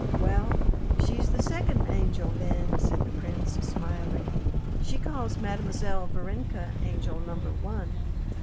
"Well, she's the second angel, then," said the prince, smiling. "she calls Mademoiselle Varenka angel number one."